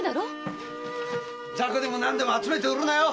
雑魚でも何でも集めて売るのよ！